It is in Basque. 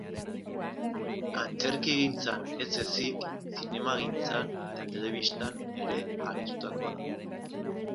Antzerkigintzan ez ezik, zinemagintzan eta telebistan ere aritutakoa da.